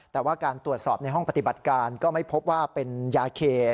แต่ว่าการตรวจสอบในห้องปฏิบัติการก็ไม่พบว่าเป็นยาเค